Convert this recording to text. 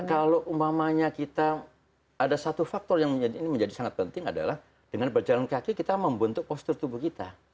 karena kalau umpamanya kita ada satu faktor yang menjadi ini menjadi sangat penting adalah dengan berjalan kaki kita membentuk postur tubuh kita